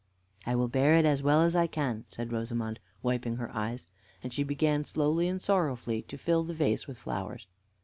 "I will bear it as well as I can," said Rosamond, wiping her eyes; and she began slowly and sorrowfully to fill the vase with flowers.